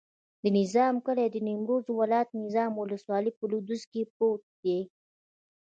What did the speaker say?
د نظام کلی د نیمروز ولایت، نظام ولسوالي په لویدیځ کې پروت دی.